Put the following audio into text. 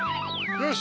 よし！